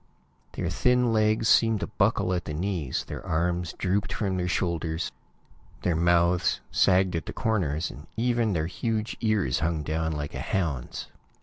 Their thin legs seemed to buckle at the knees, their arms drooped from their shoulders, their mouths sagged at the corners, even their huge ears hung down like a hound's.